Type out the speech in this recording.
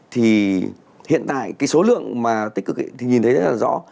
thì hiện tại cái số lượng mà tích cực ấy thì nhìn thấy rất là rõ